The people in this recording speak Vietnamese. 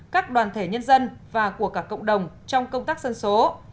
các đoàn thể nhân dân và của cả cộng đồng trong công tác dân số